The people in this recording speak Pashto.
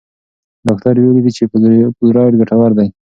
ډاکټر ویلي دي چې فلورایډ ګټور دی.